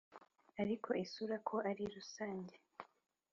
ariko isura ko ari rusange,